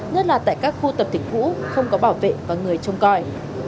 nhất là tại các khu tập thể cũ không có bảo vệ và người trông coi